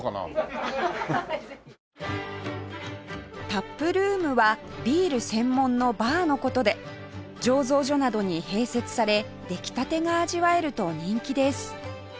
タップルームはビール専門のバーの事で醸造所などに併設され出来たてが味わえると人気です